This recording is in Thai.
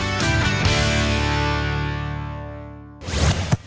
อ่า